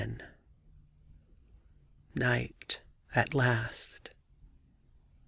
88 5IGHT at last.